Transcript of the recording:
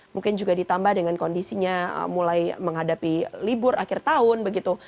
mungkin juga ditambah dengan kondisinya mulai menghadapi libur akhir tahun begitu